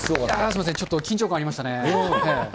すみません、ちょっと緊張感ありましたね。